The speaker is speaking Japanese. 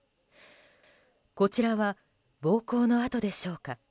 こちらは暴行の痕でしょうか。